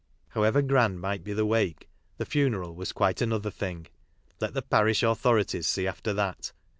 However grand might be the wake, ■ the funeral was quite another thing — let the parish authorities see after that.